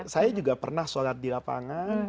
saya juga pernah sholat di lapangan